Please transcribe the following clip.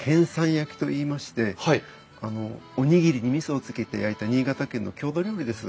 焼きといいましておにぎりにみそをつけて焼いた新潟県の郷土料理です。